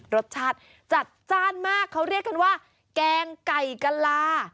รสชาติจัดจ้านมากเขาเรียกกันว่าแกงไก่กะลา